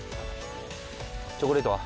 チョコレートは？